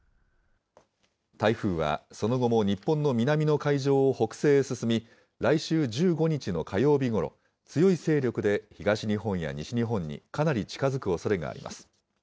台風はその後も日本の南の海上を北西へ進み、来週１５日の火曜日ごろ、強い勢力で東日本や西日本にかなり近づくおそれがあります。